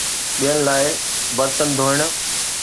ٻين لاءِ برتن ڌوئڻ